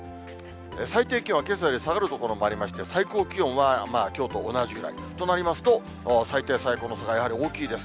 最低気温はけさより下がる所もありまして、最高気温はきょうと同じぐらいとなりますと、最低、最高の差がやはり大きいです。